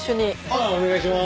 あっお願いします。